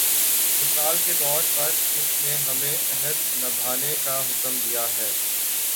مثال کے طور پر اس نے ہمیں عہد نبھانے کا حکم دیا ہے۔